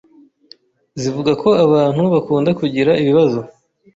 zivuga ko abantu bakunda kugira ibibazo